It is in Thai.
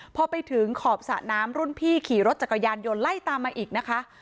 พอไปถึงขอบสระน้ำรุ่นพี่ขี่รถจักรยานยนต์ไล่ตามมาอีกนะคะ